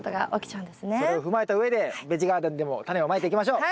それを踏まえたうえでベジガーデンでもタネをまいていきましょう！